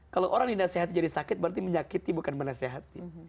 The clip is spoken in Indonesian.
kalau orang dinasehati jadi sakit berarti menyakiti bukan menasehati